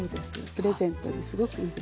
プレゼントにすごくいいですよ。